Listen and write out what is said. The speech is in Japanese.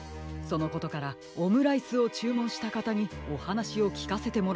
そのことからオムライスをちゅうもんしたかたにおはなしをきかせてもらっているのです。